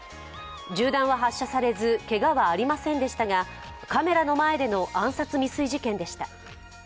銃弾は発射されず、けがはありませんでしたがカメラの前での暗殺未遂事件でした。